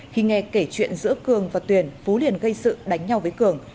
khi nghe kể chuyện giữa cường và tuyền phú liền gây sự đánh nhau với cường